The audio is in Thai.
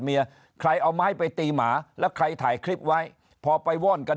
เมียใครเอาไม้ไปตีหมาแล้วใครถ่ายคลิปไว้พอไปว่อนกัน